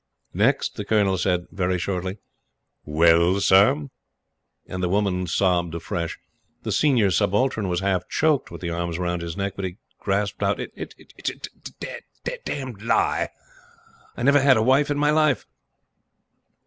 Next the Colonel said, very shortly: "Well, Sir?" and the woman sobbed afresh. The Senior Subaltern was half choked with the arms round his neck, but he gasped out: "It's a d d lie! I never had a wife in my life!"